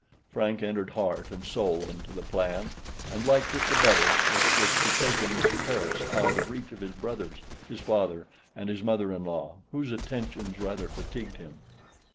Frank entered heart and soul into the plan, and liked it the better as it was to take him to Paris, out of reach of his brothers, his father, and his mother in law, whose attentions rather fatigued him.